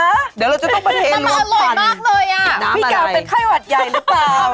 เดี๋ยวเราจะต้องมาเทงลงฝันน้ำอะไรพี่กาวเป็นไข้หวัดใหญ่หรือเปล่า